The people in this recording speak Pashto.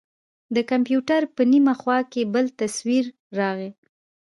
د کمپيوټر په نيمه خوا کښې بل تصوير راغى.